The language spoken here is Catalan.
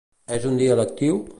És un dia lectiu?